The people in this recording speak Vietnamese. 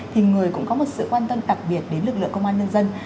thì người cũng có một sự quan tâm đặc biệt đến lực lượng công an nhân dân